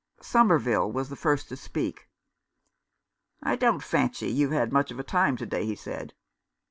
Somerville was the first to speak. "I don't fancy you've had much of a time to day," he said.